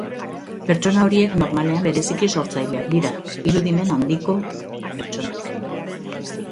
Pertsona horiek normalean bereziki sortzaileak dira, irudimen handikoa pertsonak.